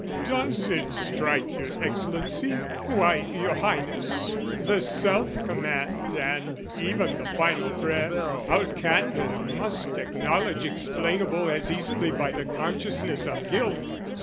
Does it strike your Excellency? Why, your Highness, The self command and even the final prayer, Our candour must acknowledge explainable As easily by the consciousness of guilt.